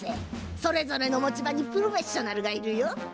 それぞれの持ち場にプロフェッショナルがいるよ。